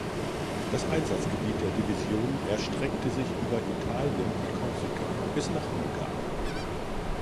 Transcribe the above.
Das Einsatzgebiet der Division erstreckte sich über Italien und Korsika bis nach Ungarn.